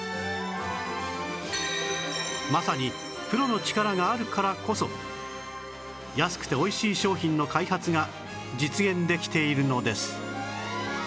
まさにプロの力があるからこそ安くて美味しい商品の開発が実現できているのです